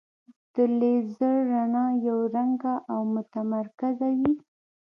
د لیزر رڼا یو رنګه او متمرکزه وي.